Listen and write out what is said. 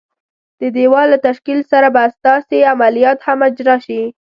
د دېوال له تشکیل سره به ستاسي عملیات هم اجرا شي.